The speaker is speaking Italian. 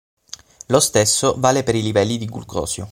Lo stesso vale per i livelli di glucosio.